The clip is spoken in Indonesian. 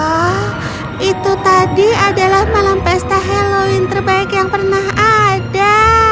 oh itu tadi adalah malam pesta halloween terbaik yang pernah ada